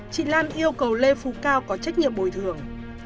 chị lan yêu cầu lê phú cao có trách nhiệm bồi thường